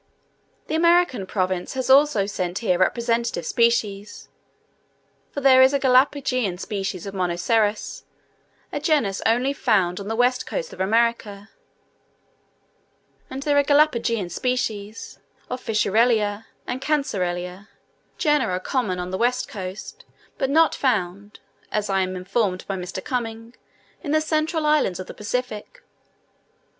The American province has also sent here representative species; for there is a Galapageian species of Monoceros, a genus only found on the west coast of America; and there are Galapageian species of Fissurella and Cancellaria, genera common on the west coast, but not found (as I am informed by Mr. Cuming) in the central islands of the Pacific.